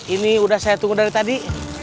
ini udah saya tunggu dari tadi